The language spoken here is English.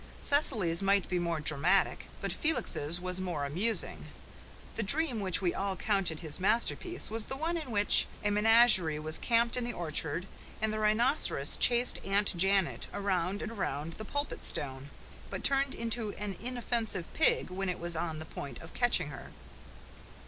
Cecily's might be more dramatic, but Felix's was more amusing. The dream which we all counted his masterpiece was the one in which a menagerie had camped in the orchard and the rhinoceros chased Aunt Janet around and around the Pulpit Stone, but turned into an inoffensive pig when it was on the point of catching her.